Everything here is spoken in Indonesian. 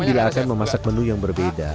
bila akan memasak menu yang berbeda